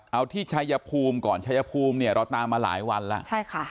เอาที่ชัยภูมิก่อนเราตามมาหลายวันแล้ว